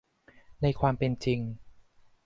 ในความเป็นจริง